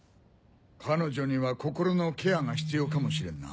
彼女には心のケアが必要かもしれんな。